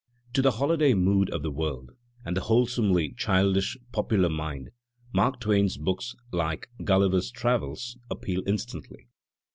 To the holiday mood of the world and the wholesomely childish popular mind Mark Twain's books, like "Gulliver's Travels," appeal instantly.